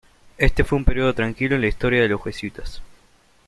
Este fue un período tranquilo en la historia de los jesuitas.